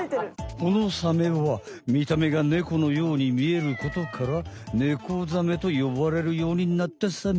このサメはみためがネコのようにみえることからネコザメとよばれるようになったサメ。